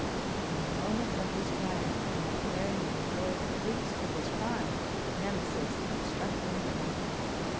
In the moment of his triumph, when preparing to enjoy the fruits of his crime, Nemesis had struck him down.